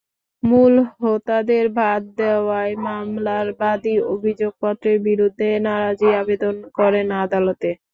মূল হোতাদের বাদ দেওয়ায় মামলার বাদী অভিযোগপত্রের বিরুদ্ধে নারাজি আবেদন করেন আদালতে।